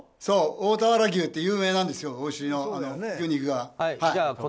そう、大田原牛って有名なんですよ、牛肉が。